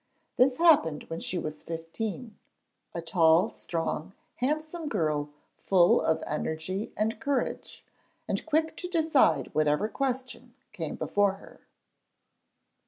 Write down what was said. This happened when she was fifteen a tall, strong, handsome girl full of energy and courage, and quick to decide whatever question came before her.